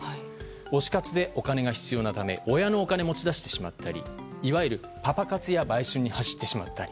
推し活でお金が必要なため親のお金を持ち出してしまったりいわゆるパパ活や売春に走ってしまったり。